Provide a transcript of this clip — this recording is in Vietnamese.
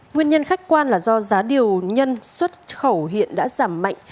nguyên nhân khách quan là do giá điều nhân xuất khẩu hiện đã giảm mạnh